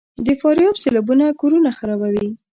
د فاریاب سیلابونه کورونه خرابوي؟